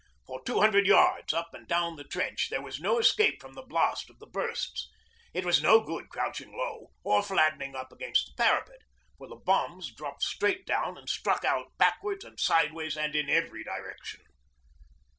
For two hundred yards up and down the trench there was no escape from the blast of the bursts. It was no good crouching low, or flattening up against the parapet; for the bombs dropped straight down and struck out backwards and sideways and in every direction.